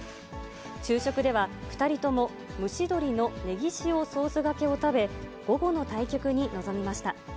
昼食では２人とも蒸し鶏の葱塩ソースがけを食べ、午後の対局に臨みました。